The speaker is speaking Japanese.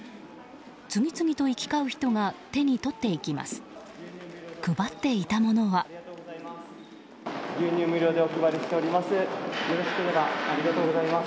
次々と行き交う人が手に取っていきます。